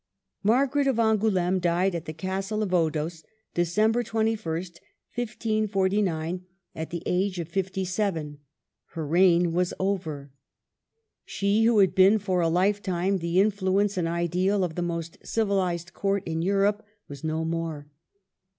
Margaret of Angouleme died at the Castle of Odos, December 21, 1549, at the age of fifty seven. Her reign was over. She who had been for a lifetime the influence and ideal of the most civilized court in Europe was no more.